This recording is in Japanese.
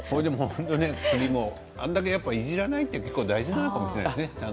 本当に鶏もあれだけいじらないって結構大事かもしれないですね。